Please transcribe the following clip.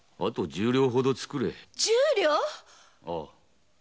十両！？